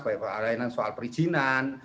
banyak banyak layanan soal perizinan